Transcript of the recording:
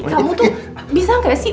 ih kamu tuh bisa gak sih